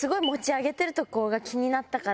気になったから。